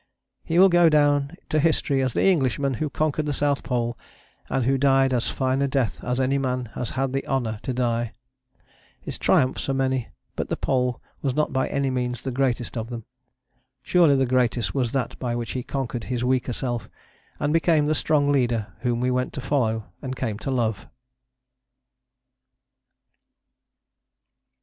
He will go down to history as the Englishman who conquered the South Pole and who died as fine a death as any man has had the honour to die. His triumphs are many but the Pole was not by any means the greatest of them. Surely the greatest was that by which he conquered his weaker self, and became the strong leader whom we went to follow and came to love.